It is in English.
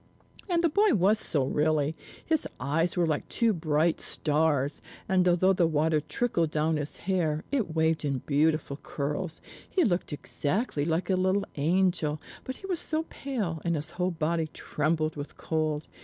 And the boy was so really. His eyes were like two bright stars; and although the water trickled down his hair, it waved in beautiful curls. He looked exactly like a little angel, but he was so pale, and his whole body trembled with cold.